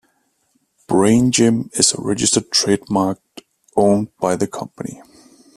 "Brain Gym" is a registered trademark owned by the company.